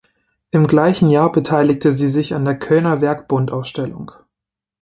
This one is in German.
Im gleichen Jahr beteiligte sie sich an der Kölner Werkbundausstellung.